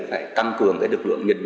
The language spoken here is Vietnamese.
phải tăng cường được lượng nhiệt lượng